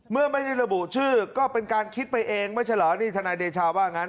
เมื่อไม่ได้ระบุชื่อก็เป็นการคิดไปเองไม่ใช่เหรอนี่ทนายเดชาว่างั้น